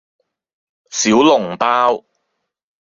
小籠包